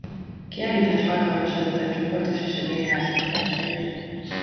A kiállítás alkalmas vezetett csoportos és egyéni látogatásra is.